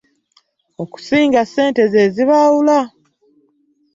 Okusinga ssente ze zibaawula.